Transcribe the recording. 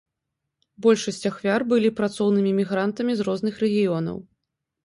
Большасць ахвяр былі працоўнымі мігрантамі з розных рэгіёнаў.